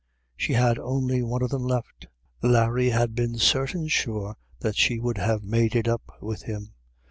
She had only one of them left : Larry had been sartin surc that she would have made it up with him.